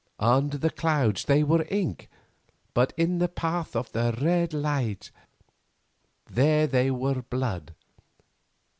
Under the clouds they were ink, but in the path of the red light, there they were blood.